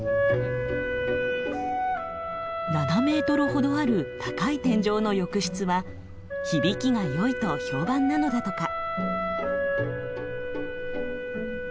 ７ｍほどある高い天井の浴室は響きがよいと評判なのだとか。